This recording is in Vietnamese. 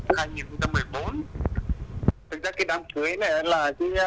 thực ra cái đám cưới này là